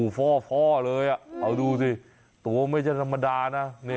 ฟ่อเลยเอาดูสิตัวไม่ใช่ธรรมดานะ